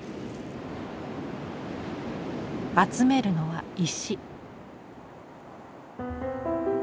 集めるのは石。